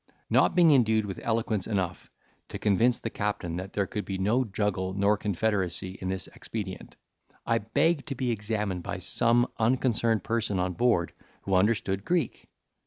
Not being endued with eloquence enough to convince the captain that there could be no juggle nor confederacy in this expedient, I begged to be examined by some unconcerned person on board, who understood Greek.